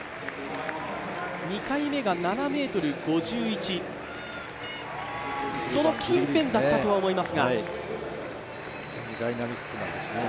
２回目が７ｍ５１、その近辺だったとは思いますが。